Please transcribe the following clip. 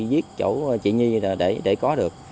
giết chỗ chị nhi để có được